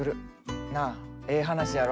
なっええ話やろ？